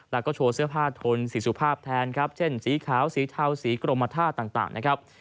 แล้วก็โชว์เสื้อผ้าทนสีสุภาพแทนครับเช่นสีขาวสีเทาสีกรมท่าต่างนะครับ